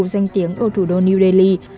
danh tiếng ở thủ đô new delhi